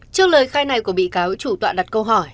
trước lời khai này của bị cáo trùng toạn đặt câu hỏi